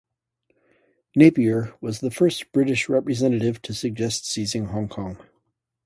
Napier was the first British representative to suggest seizing Hong Kong.